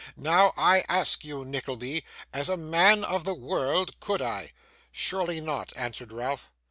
Now, I ask you, Nickleby, as a man of the world; could I?' 'Surely not,' answered Ralph.